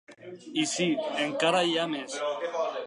I sí, encara hi ha més.